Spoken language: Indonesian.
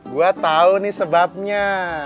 gue tau nih sebabnya